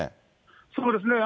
そうですね。